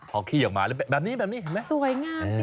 เอาขี้ออกมาแบบนี้สวยงามจริง